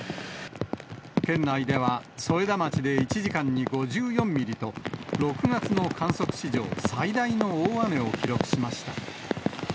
県内では添田町で１時間に５４ミリと、６月の観測史上最大の大雨を記録しました。